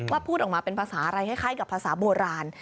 พูดออกมาเป็นภาษาอะไรคล้ายกับภาษาโบราณ